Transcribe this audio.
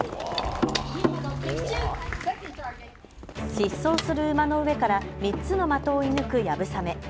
疾走する馬の上から３つの的を射ぬくやぶさめ。